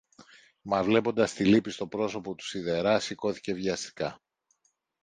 Μα βλέποντας τη λύπη στο πρόσωπο του σιδερά σηκώθηκε βιαστικά